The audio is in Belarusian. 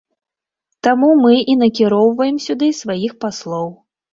Таму мы і накіроўваем сюды сваіх паслоў.